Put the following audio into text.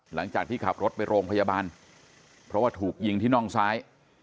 หลังจากที่ขับรถไปโรงพยาบาลเพราะว่าถูกยิงที่น่องซ้าย